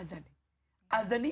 azan ini bisnisnya nih perusahaan nih